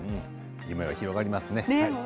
夢は広がりますね。